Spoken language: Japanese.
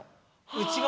内側。